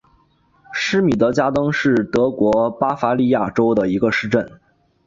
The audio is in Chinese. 施米德加登是德国巴伐利亚州的一个市镇。